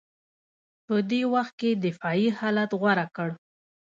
په دې وخت کې دفاعي حالت غوره کړ